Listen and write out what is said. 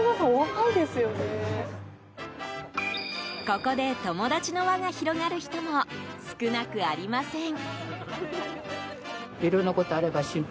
ここで、友達の輪が広がる人も少なくありません。